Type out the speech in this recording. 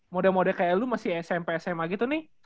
mode mode kayak lo masih smp sma gitu nih